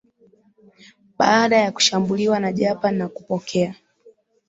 baada ya kushambuliwa na Japani na kupokea